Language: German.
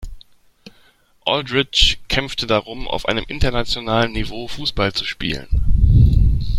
Aldridge kämpfte darum, auf einem internationalen Niveau Fußball zu spielen.